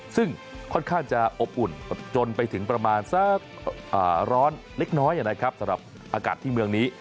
ซึ่งค่อนข้างจะอบอุ่นจนไปถึงประมาณสักร้อนเล็กน้อยนะครับสำหรับอากาศที่เมืองนี้